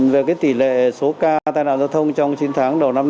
về tỷ lệ số ca tai nạn giao thông trong chín tháng đầu năm nay